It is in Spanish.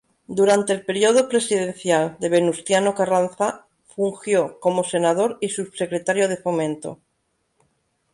Durante el período presidencial de Venustiano Carranza fungió como Senador y subsecretario de Fomento.